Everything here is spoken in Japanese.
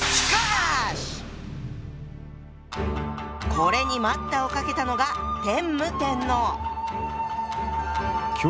これに待ったをかけたのがえ？